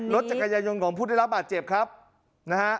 จักรยายนของผู้ได้รับบาดเจ็บครับนะฮะ